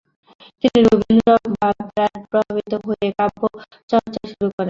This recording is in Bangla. তিনি রবীন্দ্র-ভাবধারায় প্রভাবিত হয়ে তিনি কাব্যচর্চা শুরু করেন।